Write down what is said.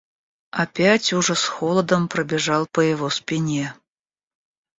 Опять ужас холодом пробежал по его спине.